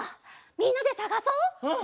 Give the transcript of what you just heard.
みんなでさがそっ！